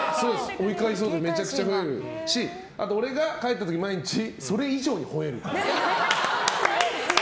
追い返そうとめちゃくちゃほえるしあと俺が帰った時毎日、それ以上にほえる。